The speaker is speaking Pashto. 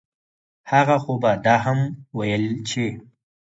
هغه خو به دا هم وييل چې